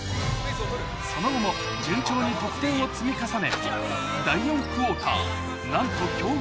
その後も順調に得点を積み重ね第４クオーターなんと強豪